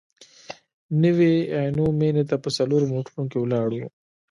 نوي عینو مېنې ته په څلورو موټرونو کې ولاړو.